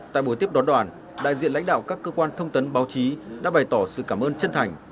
tại buổi tiếp đón đoàn đại diện lãnh đạo các cơ quan thông tấn báo chí đã bày tỏ sự cảm ơn chân thành